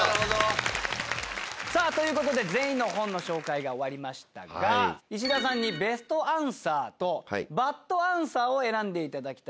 さぁということで全員の本の紹介が終わりましたがいしださんにベストアンサーとバッドアンサーを選んでいただきたいと思います。